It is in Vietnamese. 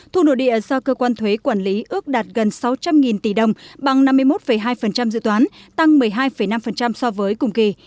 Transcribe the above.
thu nội địa do cơ quan thuế quản lý ước đạt gần sáu trăm linh tỷ đồng bằng năm mươi một hai dự toán tăng một mươi hai năm so với cùng kỳ